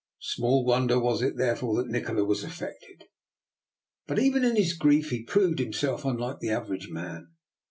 Small wonder was it, therefore, that Nikola was affected. But even in his grief he proved himself unlike the average man.